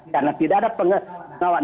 karena tidak ada pengawasan